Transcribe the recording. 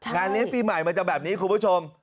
งานเลี้ยงปีใหม่มันจะแบบนี้คุณผู้ชม